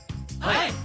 はい！